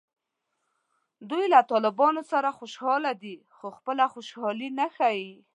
دوی له طالبانو سره خوشحاله دي خو خپله خوشحالي نه ښیي